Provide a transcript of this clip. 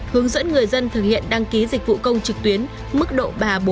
hướng dẫn người dân thực hiện đăng ký dịch vụ công trực tuyến mức độ ba bốn